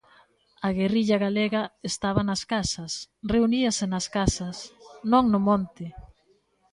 A guerrilla galega estaba nas casas, reuníase nas casas, non no monte.